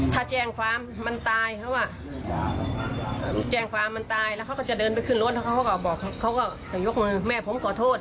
ถ้าแจงความมันตายแล้วก็จะเดินไปขึ้นรถเขาก็ยกมือแม่ผมขอโทษ